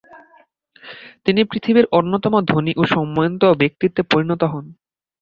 তিনি পৃথিবীর অন্যতম ধনী ও সম্মানিত ব্যক্তিত্বে পরিণত হন।